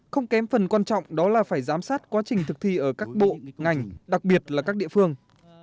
không kém phần quan trọng đó là phải giám sát quá trình thực thi ở các bộ ngành đặc biệt là các địa phương